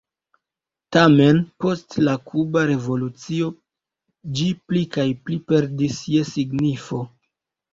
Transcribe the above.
Tamen post la kuba revolucio ĝi pli kaj pli perdis je signifo.